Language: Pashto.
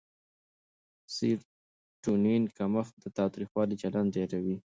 د سېرټونین کمښت د تاوتریخوالي چلند ډېروي.